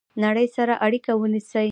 نړۍ سره اړیکه ونیسئ